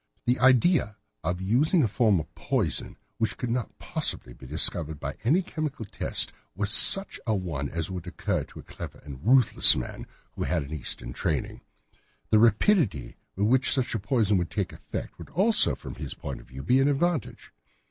The idea of using a form of poison which could not possibly be discovered by any chemical test was just such a one as would occur to a clever and ruthless man who had had an Eastern training. The rapidity with which such a poison would take effect would also, from his point of view, be an advantage.